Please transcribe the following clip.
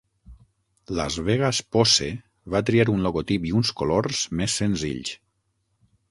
Las Vegas Posse va triar un logotip i uns colors més senzills.